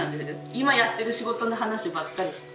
今やってる仕事の話ばっかりして。